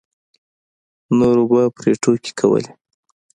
نورو به پرې ټوکې کولې.